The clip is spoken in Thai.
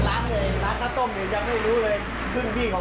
ปั้งปั้งปั้งมาจนจบจบจบตรงที่เขือเถียนนั่น